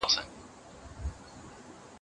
زه به خبري کړې وي!؟